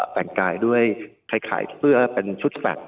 แต่งกายด้วยขายเสื้อเป็นชุดแฟลต